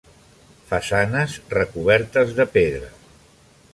Façanes recobertes de pedra.